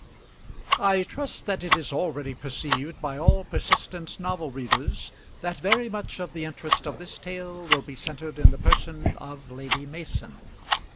I trust that it is already perceived by all persistent novel readers that very much of the interest of this tale will be centred in the person of Lady Mason.